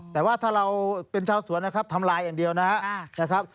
แต่ว่าถ้าเราเป็นชาวสวนนะครับทำลายอย่างเดียวนะครับ